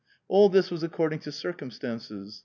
All this was ac cording to circumstances.